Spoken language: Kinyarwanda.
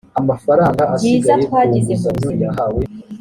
byiza twagize mu buzima